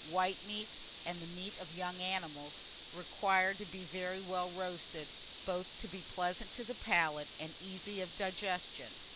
WHITE MEATS, AND THE MEAT OF YOUNG ANIMALS, require to be very well roasted, both to be pleasant to the palate and easy of digestion.